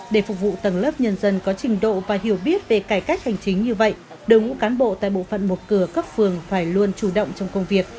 để phục vụ tầng lớp nhân dân có trình độ và hiểu biết về cải cách hành chính như vậy đồng ngũ cán bộ tại bộ phận một cửa cấp phường phải luôn chủ động trong công việc